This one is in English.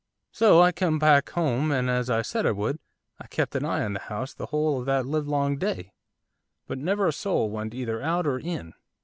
'So I come back home, and as I said I would, I kept an eye on the house the whole of that livelong day, but never a soul went either out or in.